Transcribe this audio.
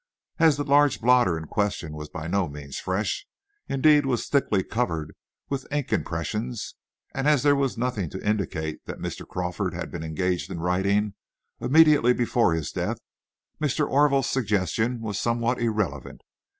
As the large blotter in question was by no means fresh, indeed was thickly covered with ink impressions, and as there was nothing to indicate that Mr. Crawford had been engaged in writing immediately before his death, Mr. Orville's suggestion was somewhat irrelevant.